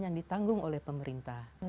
yang ditanggung oleh pemerintah